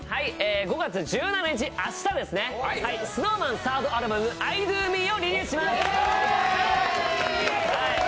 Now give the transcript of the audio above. ５月１７日、明日ですね、ＳｎｏｗＭａｎサードアルバム、「ｉＤＯＭＥ」をリリースします。